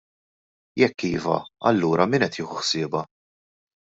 Jekk iva, allura min qed jieħu ħsiebha?